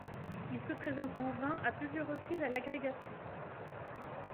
Il se présente en vain à plusieurs reprises à l'agrégation.